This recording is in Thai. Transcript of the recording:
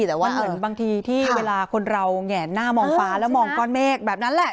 แต่ว่าเหมือนบางทีที่เวลาคนเราแหงหน้ามองฟ้าแล้วมองก้อนเมฆแบบนั้นแหละ